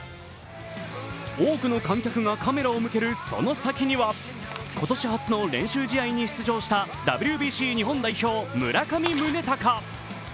多くの観客がカメラを向けるその先には今年初の練習試合に出場したＷＢＣ日本代表、村上宗隆。